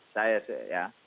saya sih ya